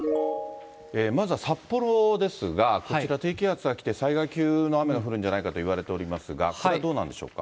まずは札幌ですが、こちら低気圧が来て、災害級の雨が降るんじゃないかといわれておりますが、これはどうなんでしょうか。